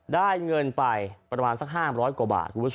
ได้เงินไปประมาณสัก๕๐๐บาท